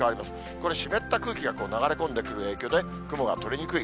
これ、湿った空気が流れ込んでくる影響で、雲が取れにくい。